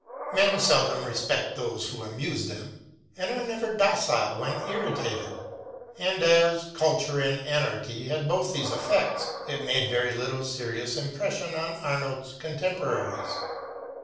Men seldom respect those who amuse them, and are never docile when irritated, and as " Culture and Anarchy " had both these effects, it made very little serious impression on Arnold's contemporaries.